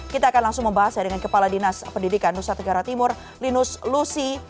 kita akan langsung membahasnya dengan kepala dinas pendidikan nusa tenggara timur linus lusi